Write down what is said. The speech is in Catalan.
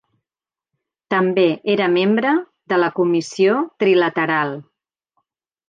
També era membre de la Comissió Trilateral.